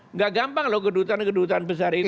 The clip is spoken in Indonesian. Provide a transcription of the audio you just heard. enggak gampang loh kedutaan kedutaan besar itu